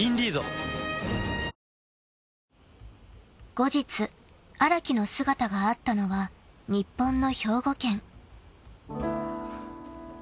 ［後日荒木の姿があったのは日本の］